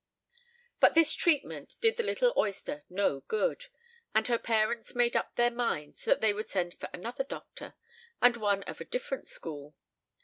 But this treatment did the little oyster no good; and her parents made up their minds that they would send for another doctor, and one of a different school.